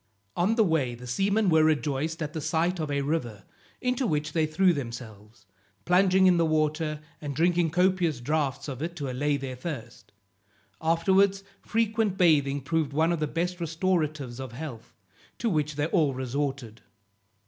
On the way the seamen were rejoiced at the sight of a river, into which they threw themselves, plunging in the water, and drinking copious draughts of it to allay their thirst. Afterwards frequent bathing proved one of the best restoratives of health, to which they all resorted.